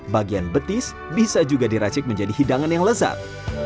bagian betis bisa juga diracik menjadi hidangan yang lezat